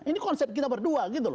ini konsep kita berdua